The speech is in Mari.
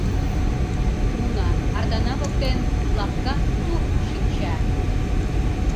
Уна, артана воктен лапка тур шинча.